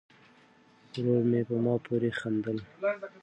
ورور مې په ما پورې خندل.